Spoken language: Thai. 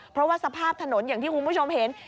เพราะว่าสภาพถนนอย่างที่คุณผู้ชมเห็น